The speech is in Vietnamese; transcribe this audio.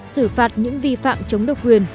xử phạt những vi phạm chống độc quyền